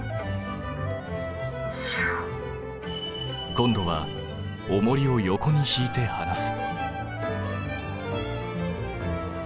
今度はおもりを横にひいてはなす。